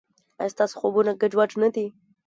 ایا ستاسو خوبونه ګډوډ نه دي؟